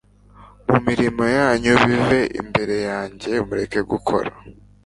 mu mirimo yanyu bive imbere yanjye, mureke gukora